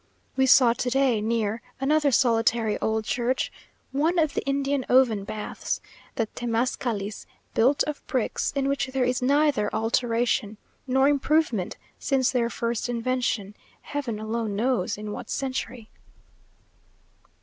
We saw to day, near another solitary old church, one of the Indian oven baths, the temescallis, built of bricks, in which there is neither alteration nor improvement since their first invention, heaven alone knows in what century.